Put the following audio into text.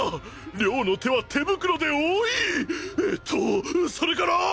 両の手は手袋で覆いえっとそれから。